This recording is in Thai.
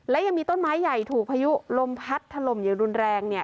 และยังมีต้นไม้ใหญ่ถูกพายุลมพัดถล่มอย่างรุนแรงเนี่ย